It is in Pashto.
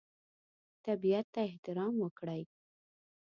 طبیعت ته احترام وکړئ.